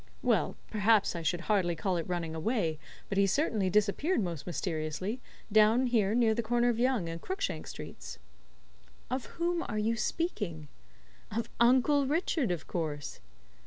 "Well, perhaps I should hardly call it running away, but he certainly disappeared most mysteriously, down here near the corner of Yonge and Crookshank Streets." "Of whom are you speaking?" "Of Uncle Richard, of course."